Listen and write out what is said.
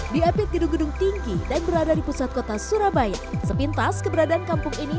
di apit gedung gedung tinggi dan berada di pusat kota surabaya sepintas keberadaan kampung ini